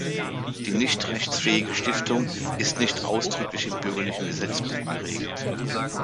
Die nicht rechtsfähige Stiftung ist nicht ausdrücklich im Bürgerlichen Gesetzbuch geregelt.